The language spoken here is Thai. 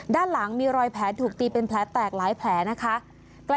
ด้านหลังมีรอยแผลถูกตีเป็นแผลแตกหลายแผลนะคะ